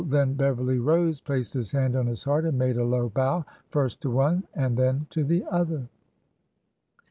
Then Beverly rose, placed his hand on his heart, and made a low bow— first to one, and then to the other.